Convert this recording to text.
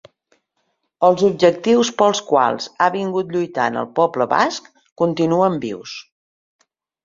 Els objectius pels quals ha vingut lluitant el poble basc continuen vius.